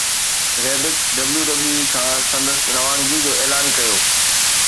Ryback WWE کان سندس روانگي جو اعلان ڪيو